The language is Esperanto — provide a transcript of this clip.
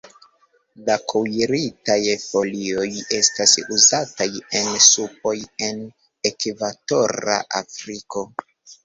La kuiritaj folioj estas uzataj en supoj en ekvatora Afriko.